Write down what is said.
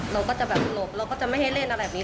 เราก็จะแบบหลบเราก็จะไม่ให้เล่นอะไรแบบนี้